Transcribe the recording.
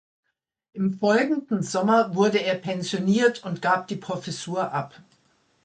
Im folgenden Sommer wurde er pensioniert und gab die Professur ab.